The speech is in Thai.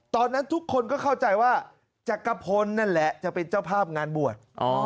ตอนนั้นทุกคนก็เข้าใจว่าจักรพลนั่นแหละจะเป็นเจ้าภาพงานบวช